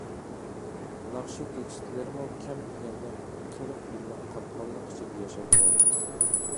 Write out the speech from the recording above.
ناخشا تېكىستلىرىمۇ كەم دېگەندە قىرىق يىللىق قاتماللىق ئىچىدە ياشاپ كەلدى.